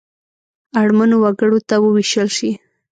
اړمنو وګړو ته ووېشل شي.